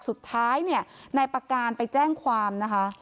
สุดท้ายเนี่ยนายประการไปแจ้งความนะคะ